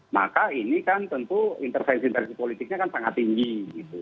maka ini kan tentu intervensi intervensi politiknya kan sangat tinggi gitu